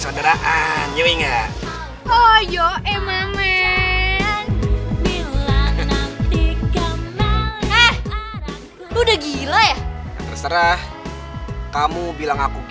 aduh ntar dulu pak